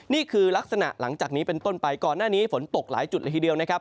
นี่คือลักษณะหลังจากนี้เป็นต้นไปก่อนหน้านี้ฝนตกหลายจุดละทีเดียวนะครับ